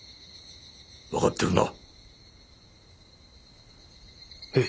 分かってるな！？